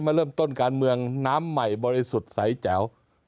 มาเริ่มต้นการเมืองน้ำใหม่บริสุทธิ์ใสแจ๋ว